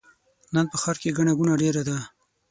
نن په ښار کې ګڼه ګوڼه ډېره ده.